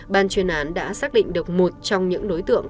ban chuyên án đã xác định được một trong những đối tượng